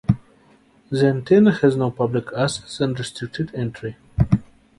The antenna has no public access and restricted entry.